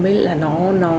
nó không có